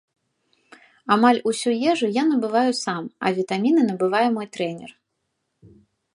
Амаль усю ежу я набываю сам, а вітаміны набывае мой трэнер.